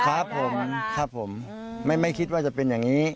ครับผมครับผมไม่คิดว่าจะเป็นอย่างนี้